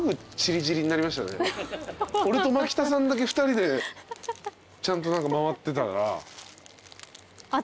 俺とマキタさんだけ２人でちゃんと回ってたら。